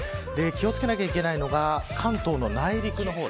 気を付けなければいけないのは関東の内陸。